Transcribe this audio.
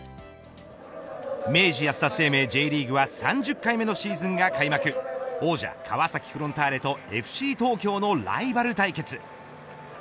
明治安田生命Ｊリーグは３０回目のシーズンが開幕王者、川崎フロンターレとＦＣ東京のライバル対決。